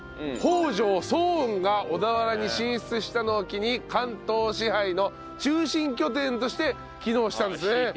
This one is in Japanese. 北条早雲が小田原に進出したのを機に関東支配の中心拠点として機能したんですね。